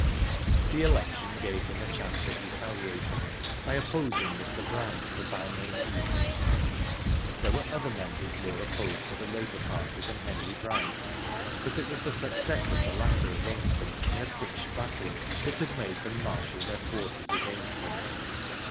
The election gave them a chance of retaliating, by opposing Mr. Bryce for Balmain East. There were other members more opposed to the labour party than Henry Bryce; but it was the success of the latter against them in a pitched battle that had made them marshal iheir forces against him.